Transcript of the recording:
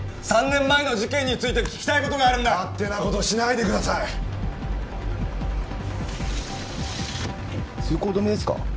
３年前の事件について聞きたいことがあるんだ勝手なことしないでください通行止めですか？